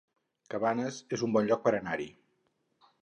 Cabanes es un bon lloc per anar-hi